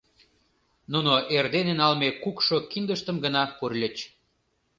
Нуно эрдене налме кукшо киндыштым гына пурльыч.